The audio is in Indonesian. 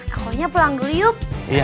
akunya pulang dulu yuk